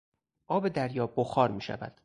آب دریا بخار میشود.